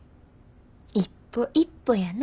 一歩一歩やな。